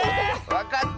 わかった！